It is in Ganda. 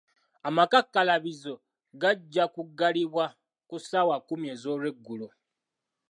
Amakakkalabizo gajja kugalibwa ku ssaawa kumi ez'olweggulo.